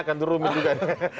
kan itu rumit juga